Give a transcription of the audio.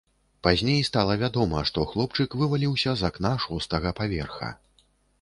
Пазней стала вядома, што хлопчык вываліўся з акна шостага паверха.